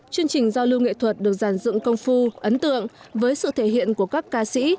chương trình giao lưu nghệ thuật được giàn dựng công phu ấn tượng với sự thể hiện của các ca sĩ